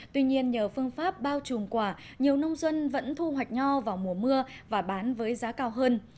tuy nhiên nhờ phương pháp bao trùm quả nhiều nông dân vẫn thu hoạch nho vào mùa mưa và bán với giá cao hơn